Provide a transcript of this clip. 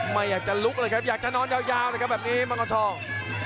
ไม่อยากจะลุกเลยครับอยากจะนอนยาวเลยครับแบบนี้มังกรทอง